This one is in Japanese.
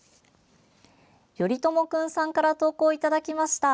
ヨリトモくんさんから投稿いただきました。